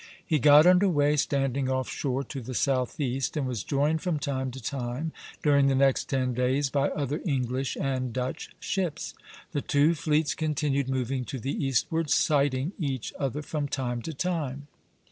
He got under way, standing off shore to the southeast, and was joined from time to time, during the next ten days, by other English and Dutch ships. The two fleets continued moving to the eastward, sighting each other from time to time.